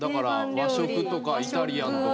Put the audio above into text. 和食とかイタリアンとか。